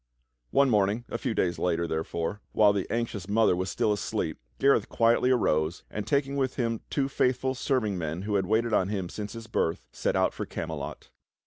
One morning a few days later, therefore, while the anxious mother was still asleep, Gareth quietly arose, and taking with him two faith ful serving men who had waited on him since his birth, set out for Camelot.